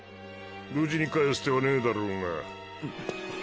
無事に帰す手はねえだろうが。